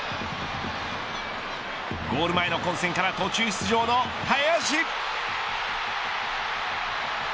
ゴール前の混戦から途中出場の林。